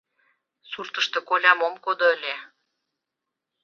Суртышто колям ом кодо ыле.